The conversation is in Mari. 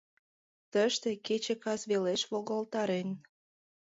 Тыште кече кас велеш волгалтарен.